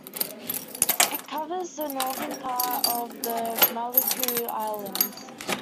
It covers the northern part of the Maluku Islands.